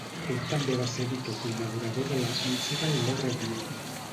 Ell també va ser editor col·laborador de la "Michigan Law Review".